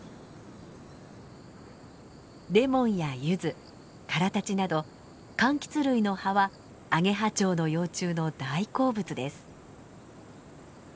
レモンやユズカラタチなど柑橘類の葉はアゲハチョウの幼虫の大好物です。